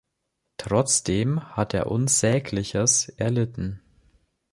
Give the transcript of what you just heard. Trotzdem hat er Unsägliches erlitten.